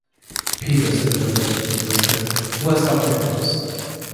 "Peter," — said little Benjamin, in a whisper — "who has got your clothes?"